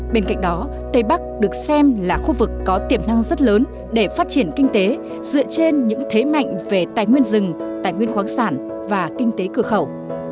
bên cạnh đó tây bắc được xem là khu vực có tiềm năng rất lớn để phát triển kinh tế dựa trên những thế mạnh về tài nguyên rừng tài nguyên khoáng sản và kinh tế cửa khẩu